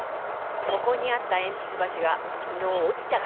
ここにあったえんぴつばしがきのうおちちゃったのよ。